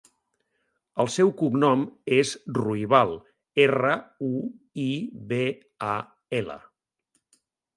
El seu cognom és Ruibal: erra, u, i, be, a, ela.